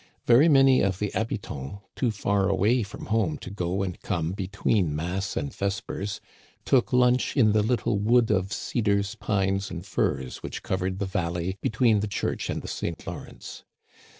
Very many of the habitants^ too far away from home to go and come between mass and vespers, took lunch in the little wood of cedars, pines, and firs which covered the valley between the church and the St. Law rence.